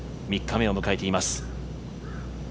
３日目を迎えています。